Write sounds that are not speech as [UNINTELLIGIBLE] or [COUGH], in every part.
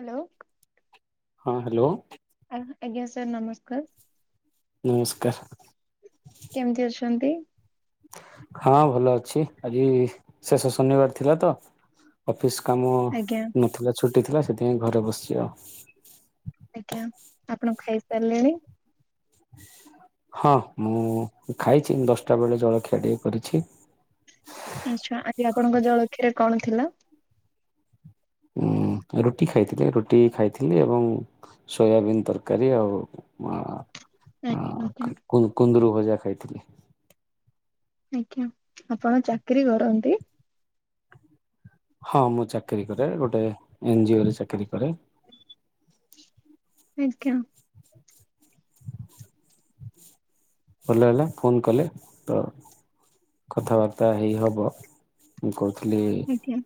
Hello. ହଁ hello. ଆ ଆଜ୍ଞା ସାର୍ ନମସ୍କାର। ନମସ୍କାର। କେମିତି ଅଛନ୍ତି? ହଁ ଭଲ ଅଛି ଆଜି ଶେଷ ଶନିବାର ଥିଲା ତ ଅଫିସ୍ କାମ ଆଜ୍ଞା ନଥିଲା ଛୁଟି ଥିଲା ସେଥିପାଇଁ ଘରେ ବସିଛି ଆଉ। ଆଜ୍ଞା, ଆପଣ ଖାଇସାରିଲେଣି? ହଁ ମୁଁ ଖାଇଛି, ଦଶଟା ବେଳେ ଜଳଖିଆ ଟିକିଏ କରିଛି। ଆଚ୍ଛା ଆଜି ଆପଣଙ୍କ ଜଳଖିଆରେ କଣ ଥିଲା? ଉଁ ରୁଟି ଖାଇଥିଲି, ରୁଟି ଖାଇଥିଲି ଏବଂ ସୋୟାବିନ୍ ତରକାରୀ ଆଉ ଆଜ୍ଞା ଆଜ୍ଞା କ କୁନ୍ଦରୁୁ ଭଜା ଖାଇ ଆଜ୍ଞା, ଆପଣ ଚାକିରୀ କରନ୍ତି? ହଁ ମୁଁ ଚାକିରୀ କରେ, ଗୋଟେ ଏନଜିଓ ରେ ଚାକିରି କରେ। [INAUDIBLE] ଆଜ୍ଞା। ଭଲ ହେଲା, ଫୋନ୍ କଲେ ତ କଥାବାର୍ତ୍ତା ହେଇ ହବ, ମୁଁ କହୁଥିଲି ଆଜ୍ଞା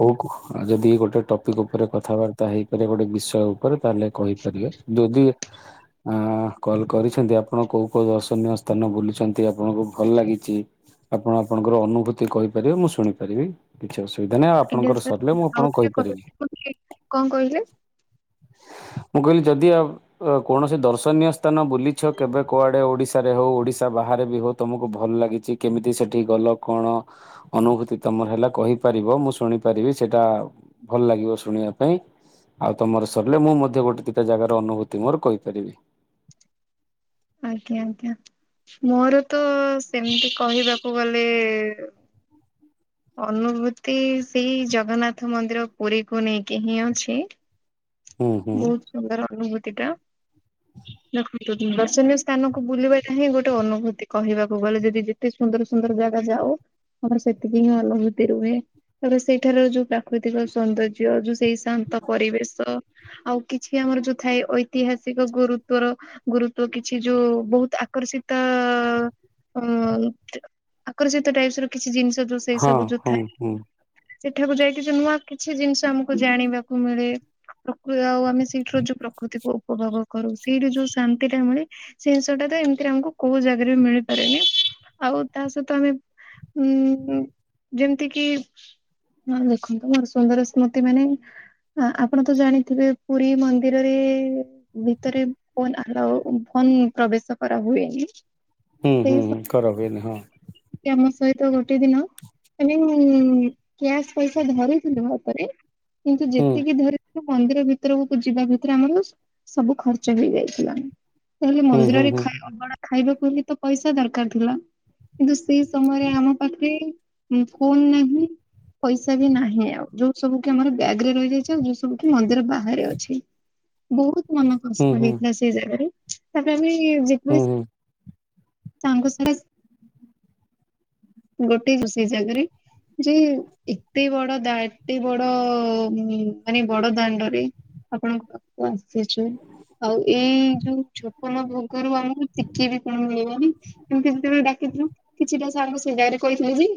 କହୁଉ କ ଆଉ ଯଦି ଗୋଟେ ଟପିକ୍ ଉପରେ କଥାବାର୍ତ୍ତା ହେଇପାରେ, ଗୋଟେ ବିଷୟ ଉପରେ ତାହେଲେ କହିପାରିବେ ଯଦି କଲ କରିଛନ୍ତି ଆପଣ କୋଉ କ ଦ ସ୍ଥାନ ବୁଲଛନ୍ତି ଆପଣଙ୍କୁ ଭଲ ଲାଗିଛି। ଆପଣ ଆପଣଙ୍କର ଅନୁଭୂତି କହିପାରିବେ ମୁଁ ଶୁଣିପାରିବି କିଛି ଅସୁ ସୁବିଧା ନାହିଁ ଆଉ ଆଜ୍ଞା ଆପଣଙ୍କର ସାର୍ ସରିଲେ ମୁଁ ଆପଣଙ୍କୁ ଆଉଥରେ କହିପାରିବି। କହିଲେ କଣ କହିଲେ ମୁଁ କହିଲି ଯଦି ଆ କୌଣସି ଦର୍ଶନୀୟ ସ୍ଥାନ ବୁଲିଛ କେବେ କୁଆଡେ ଓଡିଶା। ଶାରେ ହଉ, ଓଡିଶା ବାହାରେ ବି ହଉ, ତମକୁ ଭଲ ଲାଗିଛି, କେମିତି ସେଠି ଗଲ, କଣ ଅନୁଭୂତି ତମ ମର ହେଲା କହିପାରିବ, ମୁଁ ଶୁଣି ପାରିବି, ସେଇଟା ଭଲ ଲାଗିବ ଶୁଣିବା ପାଇଁ। ଆଉ ତମର ସରିଲେ ମୁଁ ମଧ୍ୟ ଗୋଟେ ଦିଟା ଜାଗାର ଅନୁଭୂତି ମୋର କହିପାରିବି। ଆଜ୍ଞା ଆଜ୍ଞା। ମୋର ତ ସେମିତି କହିବାକୁ ଗଲେ। ଅନୁଭୂତି ସେଇ ଜଗନ୍ନାଥ ମନ୍ଦିର ପୁରୀକୁ ନେଇକି ହିଁ ଅଛି। ହୁଁ ହୁଁ ବହୁତ ସୁନ୍ଦର ଅନୁଭୂତି ଟା ଦେଖନ୍ତୁ। ଦର୍ଶନୀୟ ସ୍ଥାନକୁ ବୁଲିବାଟା ହିଁ ଗୋଟେ ଅନୁଭୂତି କହିବାକୁ ଗଲେ ଯଦି ଯେତେ ସୁନ୍ଦର ସୁନ୍ଦର ଜାଗା ଯାଉ। ହଁ ସେତିକି ହିଁ ଅନୁଭୂତି ରୁହେ ତ ସେଇଠାର ଯୋଉ ପ୍ରାକୃତିକ ସୌନ୍ଦର୍ଯ୍ୟ ଯୋଉ ସେଇ। ନ୍ତ ପରିବେଶ। ଆଉ କିଛି ଆମର ଯୋଉ ଥାଏ ଐତିହାସିକ ଗୁରୁତ୍ଵର ଗୁରୁତ୍ଵ କିଛି ଯୋଉ ବହୁତ। ଆକର୍ଷିତ ଅ ଅ ଆକର୍ଷିତ ଟାଇପ୍ ର କିଛି ଜିନିଷ। ଯୋଉ ସେଇ ହଁ ସବୁ ଯୋଉ ହୁଁ ଥାଏ। ହୁଁ ସେଠାକୁ ଯାଇକି ଯ ନୂଆ କିଛି ଜିନିଷ ଆମକୁ ଜାଣିବାକୁ ମିଳେ। ଆଉ ଆମେ ସେଇଠି ର ଯୋଉ ପ୍ରକୃତିକୁ ଉପଭୋଗ କରୁ, ସେଇଠି ଯୋଉ ଶାନ୍ତି ଟା ମିଳେ ସେ ଜିଷଟା ତ। ସେମତି ଆମକୁ କୋଉ ଜାଗାରେ ବି ମିଳିପାରେନି ଆଉ ତା ସହିତ ଆମେ। ଉଁ ଯେମିତି କିି। ହଁ ଦେଖନ୍ତୁ ମୋର ସୁନ୍ଦର ସ୍ମୃତି ମାନେ ଆପଣ। ତ ଜାଣିଥିବେ ପୁରୀ ମନ୍ଦିରରେ ଭିତରେ ଫୋନ୍ ଆଲାଉ ଫୋନ ପ୍ରବେଶ। କରା ହୁଏନି। ହୁଁ ସେଇ ହୁଁ ହୁଁ କର ଏନ ନି ହଁ। ଆମ ସହିତ ଗୋଟେ ଦିନ। ଏ କ୍ୟାସ ପଇସା ଧରିଥିଲୁ ଭ ଉପରେ କିନ୍ତୁ ହୁଁ ଯେତିକି ଧରି। ମନ୍ଦିର ଭିତରକୁ ଯିବା ଭିତରେ ଆମର ସବୁ ଖର୍ଚ୍ଚ ହେଇ ଯାଇଥିଲା। ତାହଲେ ହୁଁ ମନ୍ଦିରରେ ହୁଁ ଅବଢ଼ା ଖାଇବାକୁ ହେଲେ ତ ପଇସା ଦରକାର ଥିଲା। କିନ୍ତୁ ସେ ସମୟରେ ଆମ ପାଖରେ ଫୋନ ନାହିଁ। ପଇସା ବି ନାହିଁ ଆଉ ଯୋଉ ସବୁ କି ଆମର ବ୍ୟାଗ ରେ ରହିଯାଇଛି ଆଉ ସୁ କି ମନ୍ଦିର ବାହାରେ ଅଛି, ବହୁତ ମନ ହୁଁ କଷ୍ଟ ହୁଁ ହେଇଥିଲା ସେଇ ଜାଗାରେ ତାପରେ ହୁଁ ଆମେ। ହୁଁ ସାଙ୍ଗ। ଗୋଟେ ଦୋ ସେଇ ଜାଗାରେ। ଯେ ଏତେ ବଡ ଦ ଏତେ ବଡ ମାନେ ବଡ ଦାଣ୍ଡରେ। ଆପଣଙ୍କ ପାଖକୁ ଆସିଛୁ। ଆଉ ଏଇ ଯୋଉ ଛୋପନ ଭୋଗରୁ ଆମକୁ ଟିକି ବି କଣ ମିଳିବନି, କେମତି ଯେତେବେଳେ ଡାକ ଦେଖନୁ କିଛିଟା ସାର୍ ଙ୍କୁ ସେ ଜାଗାରେ କହିଥିଲେ ବି।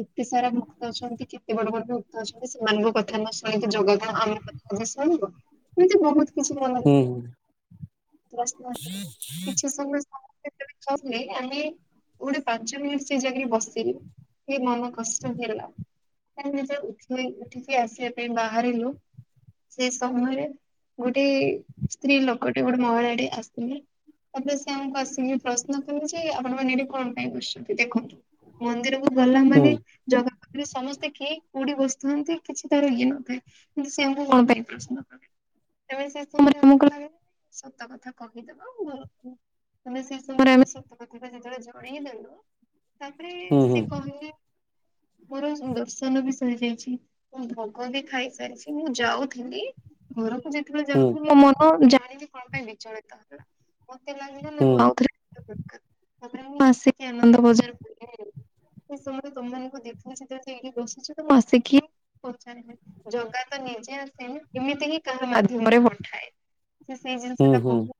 କେତେ ସାରା ଭକ୍ତ ଅଛନ୍ତି କେତେ ବଡ଼ ବଡ଼ ଭକ୍ତ ଅଛନ୍ତି ସେମାନଙ୍କ କଥା ନ ଶୁଣିକି ଜଗ ଅ ଆମ କଥା ବି ଶୁଣିବ ଏମିତି ବୋହୁତ କିଛି ହୁଁ ମନରେ ହୁଁ [UNINTELLIGIBLE] କିଛି ସମୟ [INAUDIBLE] କେତୋଳେ ଖାଉନେ ଆମେ ଗୋଟେ ପାଞ୍ଚ ମିନିଟ୍ ସେଇ ଜାଗ ବସିବି ଏ ମନ କଷ୍ଟ ହେଲା। ଏ ନିଜ ଉଠଲି ଉଠିକି ଆସିବା ପାଇଁ ବାହାରିଲୁ। ସେ ସମୟରେ ଗୋଟେ ସ୍ତ୍ରୀ ଲୋକଟେ ଗୋଟେ ମହିଳାଟିଏ ଆସିଲେ। ତାପରେ ସିଏ ଆମୁକୁ ଆସିକି ପ୍ରଶ୍ନ କରୁଚି ଆପଣମାନେ ଏଇଠି କଣ ପାଇଁ ବସିଚନ୍ତି ଦେଖନ୍ତୁ ମନ୍ଦିର ଗଲା ହୁଁ ମାନେ ହୁଁ ଜଗା ପାଖରେ ସମସ୍ତେ କେହି କୋଉଠି ବସିଥାନ୍ତି କିଛି ତାର ଇଏ ନଥାଏ କିନ୍ତୁ ସେ ଆମୁକୁ କଣ ପାଇଁ ପ୍ରଶ୍ନ କଲେ? ତେବେ ସେ ସମୟରେ ଆମୁକୁ ଲାଗିଲା [INAUDIBLE] ସତ କଥା କହିଦବା [UNINTELLIGIBLE] ମାନେ ସେ ସମୟରେ ଆମେ ସତ କଥାଟା ଯେତୋଳେ ଜଣେଇ ଦେଲୁ ତାପରେ ହୁଁ ସିଏ କହିଲେ ମୋର ଦର୍ଶନ ବି ସରିଯାଇଛି ମୁଁ ଭୋଗ ବି ଖାଇସାରିଚି ମୁଁ ଯାଉଥିଲି ଘରକୁ ଯେତୋଳେ ହୁଁ ଯାଉଥିଲ ମୋ ମନ ଜାଣିନି କଣ ପାଇଁ ବିଚଳିତ ହେଲା? ମତେ ଲାଗିଲା ନାଇଁ ମୁଁ ଆଉ ହୁଁ ଥରେ [INAUDIBLE] ଦେଖା ତାପରେ ମୁଁ ଆସିକି ଆନନ୍ଦ ବଜାର ବୁଲି ଆସିଲି। ସେ ସମୟରେ ତମମାନଙ୍କୁ ଦେଖିଲି ସିଧା ସେଇଠି ବସିଛ ତ ମୁଁ ଆସିକି ପଚାରିଲି ଜଗା ତ ନିଜେ ଆସେନି ଏମିତି ହିଁ କାହା ମାଧ୍ୟମରେ ପଠାଏ। ସେ ସେଇ ଜିନିଷଟା ହୁଁ ହୁଁ କହୁ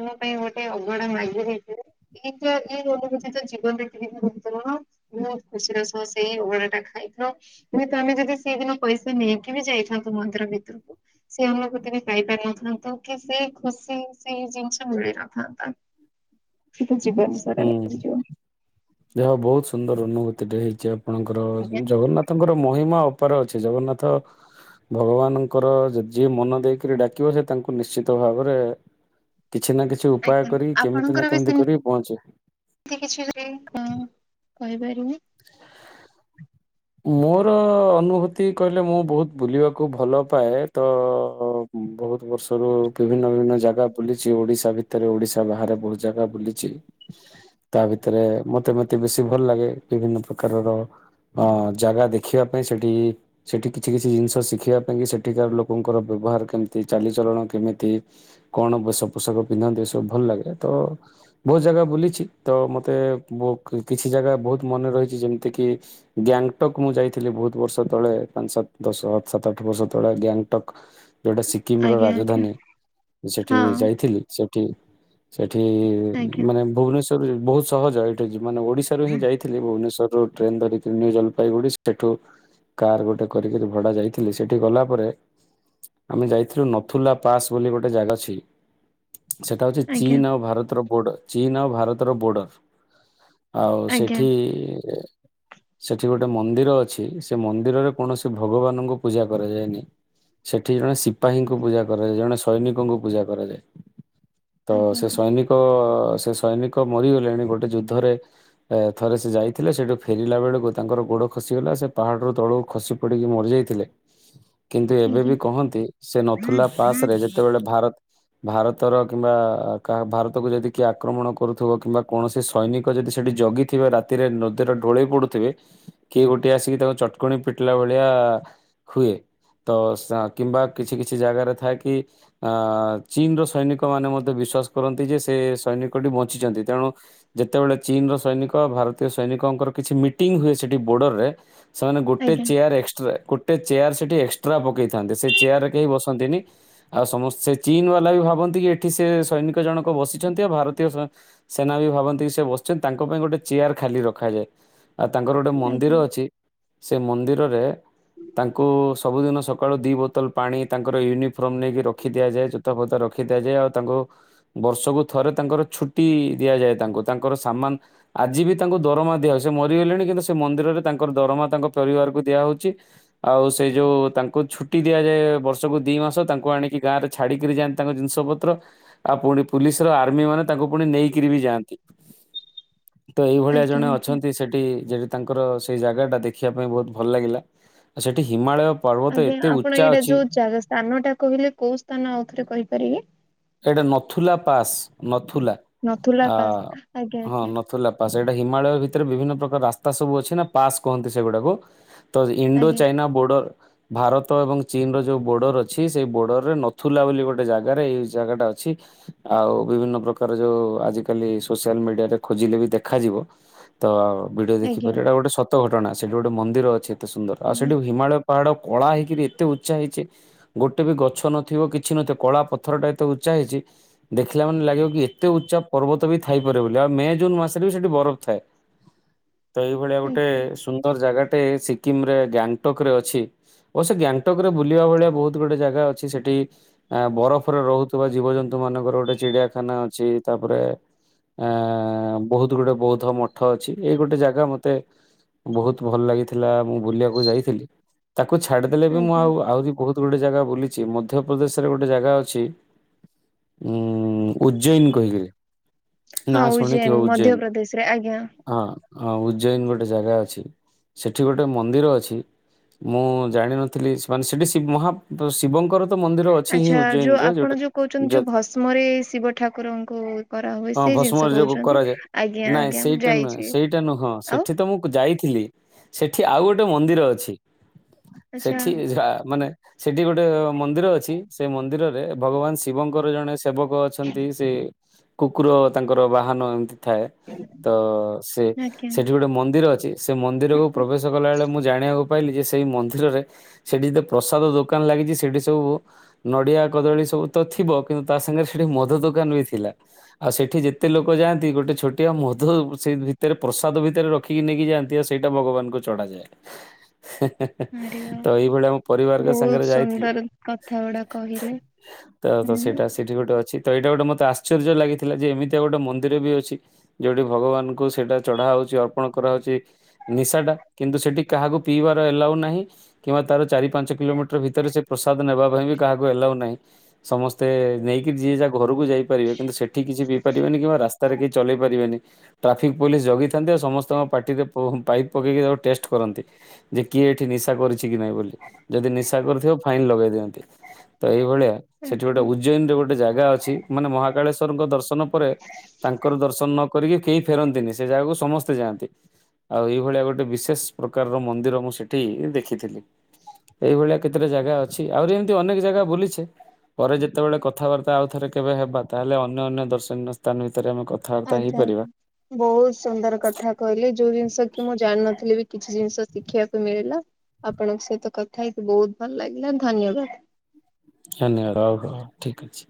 ଆମ ପାଇଁ ଗୋଟେ ଅବଡ଼ା ମାଗି ଦେଇଥିବେ। ଏଇ ତ ଏଇ ଅନୁଭୂତି ତ ଜୀବନରେ କେବେ ବି ଭୁଲି ପାରିବୁନୁ ବୋହୁତ ଖୁସିର ସହ ସେଇ ଅବଡ଼ାଟା ଖାଇ ଇଥ ଯେହେତୁ ଆମେ ଯଦି ସେଇଦିନ ପଇସା ନେଇକି ବି ଯାଇଥାନ୍ତୁ ମନ୍ଦିର ଭିତୁରୁକୁ ସିଏ ଆମ ପ୍ରତି ବି ପାଇପାରିନଥାନ୍ତୁ କି ସେଇ ଖୁସି ସେଇ ଜିନିଷ ମିଳିନଥାନ୍ତା। ତ ଜୀବନ ସାରା ରହିଯିବ। ଯାହା ହଉ ବହୁତ ସୁନ୍ଦର ଅନୁଭୂତିଟେ ହେଇଚି ଆପଣଙ୍କର ଆଜ୍ଞା। ଜଗନ୍ନାଥଙ୍କର ମହିମା ଅପାର ଅଛି ଜଗନ୍ନାଥ ଭଗବାନଙ୍କର ଯେ ଯିଏ ମନ ଦେଇକିରି ଡାକିବ ସେ ତାଙ୍କୁ ନିଶ୍ଚିତ ଭାବରେ କିଛି ନାଁ କିଛି ଉପାୟ କରି କେମିତି ନାଁ କେମିତି କରି ପହଞ୍ଚେ। ତି କିଛି କରି କୁଁ କହିପାରିବେ? ମୋର ଅନୁଭୂତି କହିଲେ ମୁଁ ବୋହୁତ ବୁଲିବାକୁ ଭଲ ପାଏ ତ ଉଁ ବୋହୁତ ବର୍ଷରୁ ବିଭିନ୍ନ ବିଭିନ୍ନ ଜାଗା ବୁଲିଚି ଓଡ଼ିଶା ଭିତରେ ଓଡ଼ିଶା ବାହାରେ ବୋହୁତ ଜାଗା ବୁଲିଚି। [INAUDIBLE] ତା ଭିତରେ ମତେ ମତେ ବେଶୀ ଭଲ ଲାଗେ ବିଭିନ୍ନ ପ୍ରକାରର ଅ ଜାଗା ଦେଖିବା ପାଇଁ ସେଠି ସେଠି କିଛି କିଛି ଜିନିଷ ଶିଖିବା କାହିଁକି ସେଠିକାର ଲୋକଙ୍କର ବ୍ୟବହାର କେମତି, ଚାଲିଚଳଣ କେମିତି, କଣ ବେଶ ପୋଷାକ ପିନ୍ଧନ୍ତି? ସବୁ ଭଲ ଲାଗେ ତ ବୋହୁତ ଜାଗା ବୁଲିଛି ତ ମତେ ବୋ କିଛି ଜାଗା ବୋହୁତ ମନେ ରହିଚି ଯେମତି କି ଗ୍ୟାଙ୍ଗଟକ୍ ମୁଁ ଯାଇଥିଲି ବୋହୁତ ବର୍ଷ ତଳେ ପାଞ୍ଚ ସାତ ଦଶ ସାତ ଆଠ ବର୍ଷ ତଳେ ଗ୍ୟାଙ୍ଗଟକ୍ ଯୋଉଟା ସିକିମର ଆଜ୍ଞା ଆଜ୍ଞା ରାଜଧାନୀ ସେଠି ହଁ ଯାଇଥିଲି ସେଠି ସେ ଠି ଆଜ୍ଞା ମାନେ ଭୁବନେଶ୍ୱରରୁ ବି ବୋହୁତ ସହଜ ଏଇଠିକି ମାନେ ଓଡ଼ିଶାରୁ ହିଁ ଯାଇ ଭୁବନେଶ୍ବରରୁ ଟ୍ରେନ୍ ଧରିକିନି ଜଲପାଇଗୁଡି଼ ସେଠୁ କାର ଗୋଟେ କରିକିରି ଭଡ଼ା ଯାଇଥିଲି ସେଠି ଗଲା ପରେ ଆମେ ଯାଇଥିଲୁ ନଥୁଲା ପାସ୍ ବୋଲି ଗୋଟେ ଜାଗା ଅଛି ସେଟା ହଉଚି ଆଜ୍ଞା ଆଜ୍ଞା। ଚୀନ ଆଉ ଭାରତର ବୋର୍ଡ଼ ଚୀନ ଆଉ ଭାରତର ବୋର୍ଡ଼ର ଆଜ୍ଞା। ଏ ସେଠି ଗୋଟେ ମନ୍ଦିର ଅଛି ସେ ମନ୍ଦିରରେ କୌଣସି ଭଗବାନଙ୍କୁ ପୂଜା କରାଯାଏନି। ସେଠି ଜଣେ ସିପାହୀଙ୍କୁ ପୂଜା କରାଯାଏ ଜଣେ ସୈନିକଙ୍କୁ ପୂଜା କରାଯାଏ। ତ ସେ ଆଜ୍ଞା ସୈନିକ ସେ ସୈନିକ ମରିଗଲେଣି ଗୋଟେ ଯୁଦ୍ଧରେ ଏ ଥରେ ସେ ଯାଇଥିଲେ ସେଠୁ ଫେରିଲା ବେଳକୁ ତାଙ୍କର ଗୋଡ଼ ଖସିଗଲା ସେ ପାହାଡ଼ରୁ ତଳକୁ ଖସି ପଡି଼କି ମରିଯାଇଥିଲେ। [INAUDIBLE] କିନ୍ତୁ ଏବେ ଆଜ୍ଞା। ବି କହନ୍ତି ସେ ନଥୁଲା ପାସ ରେ ଯେତେବେଳେ ଭାରତ ଭାରତର କିମ୍ବା କାହା ଭାରତକୁ ଯଦି କିଏ ଆକ୍ରମଣ କରୁଥିବ କିମ୍ବା କୌଣସି ସୈନିକ ଯଦି ସେଠି ଜଗି ଥିବା ରାତିରେ ନଦୀର ଢ଼ୋଳେଇ ପଡୁଥିବେ କିଏ ଗୋଟେ ଆସିକି ତାଙ୍କ ଚଟକଣି ପିଟିଲା ଭଳିଆ ହୁଏ। ତ ସ କିମ୍ବା କିଛି କିଛି ଜାଗାରେ ଥାଏ କି ଅ ଚୀନ ର ସୈନିକ ମାନେ ମଧ୍ୟ ବି ବିଶ୍ୱାସ କରନ୍ତି ଯେ ସେ ସୈନିକଟି ବଞ୍ଚିଛନ୍ତି ତେଣୁ ଯେତେବେଳେ ଚୀନର ସୈନିକ ଭାରତୀୟ ସୈନିକଙ୍କର କିଛି ମିଟିଂ ହୁଏ ସେଠି ବୋର୍ଡର ରେ ସେମାନେ ଗୋଟେ ଆଜ୍ଞା। ଚେୟାର ଏକ୍ସଟ୍ରା ଗୋଟେ ଚେୟାର ସେଠି ଏକ୍ସଟ୍ରା ପକେଇଥାନ୍ତି ସେ ଚେୟାରରେ କେହି ବସନ୍ତିନି। ଆଉ ସମସ୍ତେ ସେ ଚିନ୍ ବାଲା ବି ଭାବନ୍ତି କି ଏଠି ସେ ସୈନିକ ଜଣକ ବସିଛନ୍ତି। ଆଉ ଭାରତୀୟ ସେନା ବି ଭାବନ୍ତି କି ସେ ବସିଛନ୍ତି ତାଙ୍କ ପାଇଁ ଗୋଟେ ଚେୟାର ଖାଲି ରଖାଯାଏ। ଆଉ ତାଙ୍କର ଗୋଟେ ଆଜ୍ଞା ମନ୍ଦିର ଅଛି ସେ ମନ୍ଦିରରେ ତାଙ୍କୁ ସବୁଦିନ ସକାଳୁ ଦୁଇ ବୋତଲ ପାଣି ତାଙ୍କର ୟୁନିଫର୍ମ ନେଇକି ରଖି ଦିଆଯାଏ। ଜୋତା ଫତା ରଖି ଦିଆଯାଏ ଆଉ ତାଙ୍କୁ ବର୍ଷକୁ ଥରେ ତାଙ୍କର ଛୁଟି ଦିଆଯାଏ। ତାଙ୍କୁ ତାଙ୍କର ସାମାନ ଆଜି ବି ତାଙ୍କୁ ଦରମା ଦିଆ ହଉଛି ସେ ମରିଗଲେଣି କିନ୍ତୁ ସେ ମନ୍ଦିରରେ ତାଙ୍କର ଦରମା ତାଙ୍କ ପରିବାରକୁ ଦିଆ ହଉଛି। ଆଉ ସେଇ ଯୋଉ ତାଙ୍କୁ ଛୁଟି ଦିଆଯାଏ ବର୍ଷକୁ ଦି ମାସ ତାଙ୍କୁ ଆଣିକି ଗାଁ ରେ ଛାଡିକରି ଯାଆନ୍ତି ତାଙ୍କ ଜିନିଷ ଷ ପତ୍ର ଆଉ ପୁଣି ପୁଲିସ ର ଆର୍ମି ମାନେ ତାଙ୍କୁ ପୁଣି ନେଇକିରି ବି ଯାଆନ୍ତି। ତ ଏଇଭଳିଆ ଆଜ୍ଞା ଜଣେ ଆଜ୍ଞା ଅଛନ୍ତି ସେଠି ଯେ ତାଙ୍କର ସେଇ ଜାଗାଟା ଦେଖିବା ପାଇଁ ବହୁତ ଭଲ ଲାଗିଲା ଆଉ ସେଠି ହିମାଳୟ ପର୍ବତ ଆଜ୍ଞା ଏତେ ଆପଣ ଉଚ୍ଚା ଏଇଟା ଅଛି ଯୋଉ ସ୍ଥାନ ଟା କହିଲେ କୋଉ ସ୍ଥାନ ଆଉଥରେ କହିପାରିବେ? ଏଇଟା ନଥୁଲା ପାସ୍ ନଥୁଲା ନଥୁଲା ଅ ପାସ୍ ଆଜ୍ଞା ହଁ ଆଜ୍ଞା ନ ଲା ପାସ ଏଇଟା ହିମାଳୟ ଭିତରେ ବିଭିନ୍ନ ପ୍ରକାର ରାସ୍ତା ସବୁ ଅଛି ନା ପାସ୍ କହନ୍ତି ସେଗୁଡାକୁ। ତ ଇଣ୍ଡୋ ଆଜ୍ଞା ଚାଇନା ବୋର୍ଡର ଭାରତ ଏବଂ ଚୀନ ର ଯୋଉ ବୋର୍ଡର ଅଛି ସେଇ ବୋର୍ଡରରେ ନଥୁଲା ବୋଲି ଗୋଟେ ଜାଗାରେ ଏଇ ଜାଗାଟା ଅଛି। ଆଉ ବିଭିନ୍ନ ପ୍ରକାର ଯୋଉ ଆଜିିକାଲି ସୋସିଆଲ ମିଡିଆରେ ଖୋଜିଲେ ବି ଦେଖାଯିବ ତ ଭିଡିଓ ଆଜ୍ଞା ଦେଖିପାରିବ ଏଟା ଗୋଟେ ସତ ଘଟଣା ସେଠି ଗୋଟେ ମନ୍ଦିର ଅଛି। ଏତେ ସୁନ୍ଦର ଆଉ ଆଜ୍ଞା ସେଠୁ ହିମାଳୟ ପାହାଡ କଳା ହେଇକିରି ଏତେ ଉଚ୍ଚା ହେଇଛେ ଗୋଟେ ବି ଗଛ ନଥିବ କିଛି ନଥିବ କଳା ପଥର ଟା ଏତେ ଉଚ୍ଚା ହେଇଛି ଦେଖିଲା ମାନେ ଲାଗିବ କି ଏତେ ଉଚ୍ଚା ପର୍ବତ ବି ଥାଇପାରେ ବୋଲି ଆଉ ମେ ଜୁନ ମାସରେ ବି ସେଠି ବରଫ ଥାଏ। ତ ଏଇଭଳିଆ ଗୋଟେ ଆଜ୍ଞା ସୁନ୍ଦର ଜାଗା ଟେ ସିକିମରେ ଗ୍ୟାଙ୍ଗଟକ ରେ ଅଛି। ଓ ସେ ଗ୍ୟାଙ୍ଗଟକ ରେ ବୁଲିବା ଭଳିଆ ବହୁତ ଗୋଟେ ଜାଗା ଅଛି ସେଠି ବରଫରେ ରହୁଥିବା ଜୀବଜନ୍ତୁ ମାନଙ୍କର ଗୋଟେ ଚିଡିଆଖାନା ଅଛି ତାପରେ ଆ ବହୁତ ଗୋଟେ ବୌଦ୍ଧ ମଠ ଅଛି ଏଇ ଗୋଟେ ଜାଗା ମତେ ବହୁତ ଭଲ ଲାଗିଥିଲା ମୁଁ ବୁଲିବାକୁ ଯାଇଥିଲି ତାକୁ ଛାଡିଦେଲେ ବି ମୁଁ ଆଜ୍ଞା ଆଉ ଆହୁରି ବହୁତ ଗୋଟେ ଜାଗା ବୁଲିଛି ମଧ୍ୟପ୍ରଦେଶରେ ଗୋଟେ ଜାଗା ଅଛି। ଉ ଉଜ୍ଜୈନ କହିକରି ନା ହଁ ଶୁଣି ଉଜ୍ଜୈନ ଉଜେଇନ ମଧ୍ୟପ୍ରଦେଶରେ ଆଜ୍ଞା ହଁ ହଁ ଉଜ୍ଜୈନ ଗୋଟେ ଜାଗା ଅଛି ସେଠି ଗୋଟେ ମନ୍ଦିର ଅଛି। ମୁଁ ଜାଣିନଥିଲି ସୋନ ସେଠି ମହା ଶିବଙ୍କର ତ ମନ୍ଦିର ଅଛି ହିଁ ଆଛା ଯୋଉ ଉଜ୍ଜୈନରେ ଯୋଉଟା ଆପଣ ଯୋଉ କହୁଛନ୍ତି ଯ ଯୋଉ ଭସ୍ମରେ ଶିବ ଠାକୁରଙ୍କୁ କରାହୁଏ ହଁ ସେଇ ଭସ୍ମ ଜିନିଷ ଶ ଯୋଗ କହୁଛନ୍ତି? ଆଜ୍ଞା ନାଇଁ ଆଜ୍ଞା ସେଇଟା ନୁହେଁ ଯାଇଛି ସେଇଟା ନୁହଁ ଆଉ ସେଠି ତ ମୁଁ ଯାଇ ଥିଲି ସେଠି ଆଉ ଗୋଟେ ମନ୍ଦିର ଅଛି। ଆଚ୍ଛା ସେଠି ଯ ମାନେ ସେଠି ଗୋଟେ ମନ୍ଦିର ଅଛି ସେ ମନ୍ଦିରରେ ଭଗବାନ ଶିବଙ୍କର ଜଣେ ସେବକ ଅଛନ୍ତି ସେ କୁକୁର ତାଙ୍କର ବାହାନ ଏମ ଥାଏ ତ ସେ ଆଜ୍ଞା ସେଠି ଗୋଟେ ମନ୍ଦିର ଅଛି। ସେ ମନ୍ଦିରକୁୁ ପ୍ରବେଶ କଲା ବଳେ ମୁଁ ଜାଣିବାକୁ ପାଇଲି ଯେ ସେଇ ମନ୍ଦିରରେ ସେଠି ଯେତେ ପ୍ରସାଦ ଦୋକାନ ଲାଗ ଲାଗଚି ସେଠି ସବୁ ନଡିଆ କଦଳୀ ସବୁ ତ ଥିବ କିନ୍ତୁ ତା ସାଙ୍ଗରେ ସେଠି ମଦ ଦୋକାନ ବି ଥିଲା। ଆଉ ସେଠି ଯେ କେତେ ଲୋକ ଯାଆନ୍ତି, ଗୋଟେ ଛୋଟିଆ ମଧୁ ସେ ଭିତରେ ପ୍ରସାଦ ଭିତରେ ରଖିକି ନେଇକି ଯାଆନ୍ତି, ଆଉ ସେଇଟା ଭଗବାନଙ୍କୁ ଚଡାଯାଏ। ଆରେ ବା ତ ଏଇଭଳିଆ ଆମ ପରିବାରଙ୍କ ବହୁତ ସାଙ୍ଗରେ ଯାଇଥିଲୁ ସୁନ୍ଦର କଥା ଗୁଡା କହିଲେ ତ ହୁଁ ସେଇଟା ସେଠି ଗୋଟେ ଅଛି ତ ଏଇଟା ଗୋଟେ ମତେ ଆଶ୍ଚର୍ଯ୍ୟ ଲାଗିଥିଲା, ଯେ ଏମିତି ଏ ଗୋଟେ ମନ୍ଦିର ବି ଅଛି, ଯୋଉଠି ଭଗବାନଙ୍କୁ ସେଇଟା ଚଢା ହଉଛି ଅର୍ପଣ କରାହେଉଛି, ନିଶାଟା କିନ୍ତୁ ସେଠି କାହାକୁ ପିଇବାର ଏଲାଉ ନାହିଁ କିମ୍ବା ତାର ଚାରି ପାଞ୍ଚ କିଲୋମିଟର ଭିତରେ ସେ ପ୍ରସାଦ ନେବା ବି କାହାକୁ ହେଲାଉ ନାହିଁ, ସମସ୍ତେ ନେଇକି ଯିଏ ଯାହା ଘରକୁ ଯାଇପାରିବେ କିନ୍ତୁ ସେଠି କିଛି ରାସ୍ତାରେ ଚଳେଇ ପାରିବେନି, ଟ୍ରାଫିକ ପୋଲିସ ଜଗିଥାନ୍ତି ଆଉ ସମସ୍ତଙ୍କ ପାଟିରେ ପାଇ ଟ କରନ୍ତି ଯେ କିଏ ଏଠି ନିଶା କରିଛି କି ନାଇଁ ବୋଲି ଯଦି ନିଶା କରିଥିବ, ଫାଇନ ଲଗେଇ ଦିଅନ୍ତି। ତ ଏଇଭଳିଆ ସେଠି ଆଜ୍ଞା ଗୋଟେ ଉଜ୍ଜୟନରେ ଗୋଟେ ଜାଗା ଅଛି, ମାନେ ମହାକାଳେଶ୍ଵରଙ୍କ ଦର୍ଶନ ତାଙ୍କର ଦର୍ଶନ ନ କରିକି କେହି ଫେରନ୍ତିନି ସେ ଜାଗାକୁ ସମସ୍ତେ ଯାଆନ୍ତି। ଆଉ ଏଇଭଳିଆ ଗୋଟେ ବିଶେଷ ପ୍ରକାରର ମନ୍ଦିର ମୁଁ ସେଠି ଦେଖିଥିଲି। ଏଇ ଭଳିଆ କେତେଟା ଜାଗା ଅଛି। ଆହୁରି ଏମିତି ଅନେକ ଜାଗା ବୁଲିଛେ। ପରେ ଯେତେବେଳେ କଥାବାର୍ତ୍ତା ଆଉ ଥରେ କେବେ ହେବା ତାହେଲେ ଅନ୍ୟ ଅନ୍ୟ ଦର୍ଶନୀୟ ସ୍ଥାନ ବି ଆଛା, ବହୁତ ସୁନ୍ଦର କଥା କହିଲି ଯୋଉ ଜିନିଷ କି ମୁଁ ଜାଣିନଥିଲେ ବି କିଛି ଜିନିଷ ଶିଖିବାକୁ ମିଳିଲା। ଆପଣଙ୍କ ସହିତ କଥା ହେଇକି ବହୁତ ଭଲ ଲାଗିଲା ଧନ୍ୟବାଦ। [INAUDIBLE] ଠିକ ଅଛି।